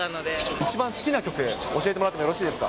一番好きな曲、教えてもらってもよろしいですか？